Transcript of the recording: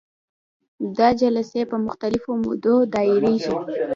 دا جلسې په مختلفو مودو کې دایریږي.